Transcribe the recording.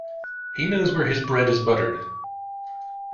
He knows where his bread is buttered.